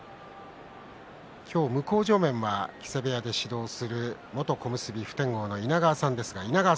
今日、向正面は木瀬部屋で指導する元小結普天王の稲川さんです。